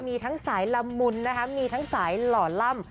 มีทั้งสายละมุนนะคะมีทั้งสายหล่อล่ำ